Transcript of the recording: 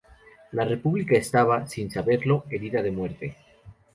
La República estaba, sin saberlo, herida de muerte.